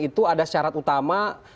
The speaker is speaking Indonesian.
itu ada syarat utama